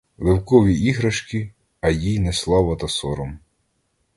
Левкові іграшки, а їй неслава та сором.